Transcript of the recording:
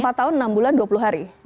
empat tahun enam bulan dua puluh hari